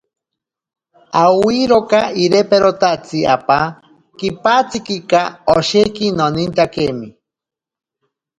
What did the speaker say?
Awiroka iriperotatsi apaa kipatsikika, osheki nonintakime.